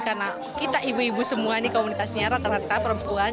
karena kita ibu ibu semua di komunitasnya rata rata perempuan